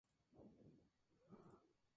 Bauer inventó el elemento de patinaje homónimo.